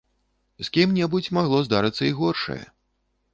З кім-небудзь магло здарыцца і горшае.